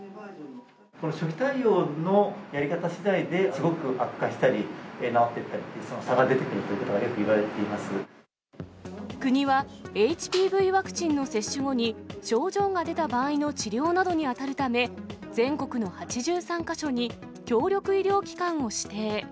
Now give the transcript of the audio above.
この初期対応のやり方しだいで、すごく悪化したり、治っていったりって、その差が出てくると国は、ＨＰＶワクチンの接種後に、症状が出た場合の治療などに当たるため、全国の８３か所に協力医療機関を指定。